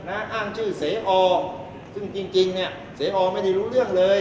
อ้างชื่อเสอซึ่งจริงเนี่ยเสอไม่ได้รู้เรื่องเลย